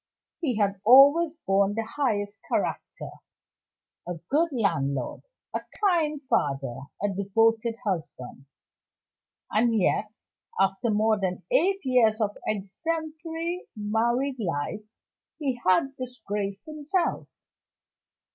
He had always borne the highest character a good landlord, a kind father, a devoted husband. And yet, after more than eight years of exemplary married life, he had disgraced himself.